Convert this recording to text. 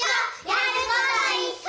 やることいっしょ！